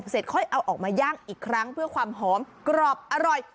ค่อยเอาออกมาย่างอีกครั้งเพื่อความหอมกรอบอร่อย